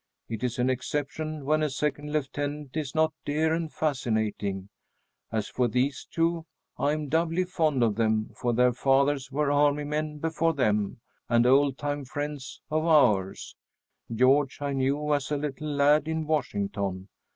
It is an exception when a second lieutenant is not dear and fascinating. As for these two, I am doubly fond of them, for their fathers were army men before them, and old time friends of ours. George I knew as a little lad in Washington.